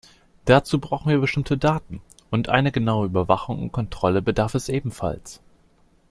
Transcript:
Dazu brauchen wir bestimmte Daten, und einer genauen Überwachung und Kontrolle bedarf es ebenfalls.